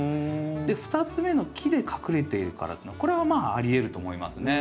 ２つ目の木で隠れているからっていうのこれはありえると思いますね。